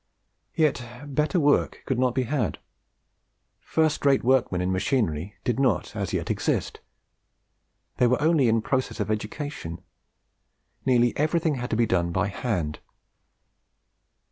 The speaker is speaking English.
Yet better work could not be had. First rate workmen in machinery did not as yet exist; they were only in process of education. Nearly everything had to be done by hand.